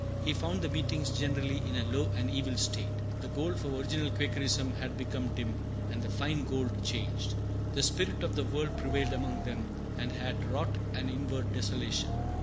He found the meetings generally in a low and evil state. The gold of original Quakerism had become dim, and the fine gold changed. The spirit of the world prevailed among them, and had wrought an inward desolation.